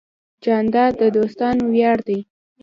جانداد د دوستانو ویاړ دی.